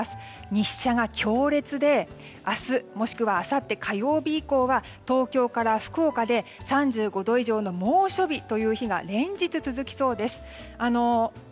日射が強烈で、明日もしくは、あさって火曜日以降は東京から福岡で３５度以上の猛暑日という日が連日、続きそうです。